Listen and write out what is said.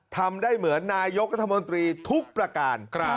ทำได้เหมือนนายกรัฐมนตรีทุกประการ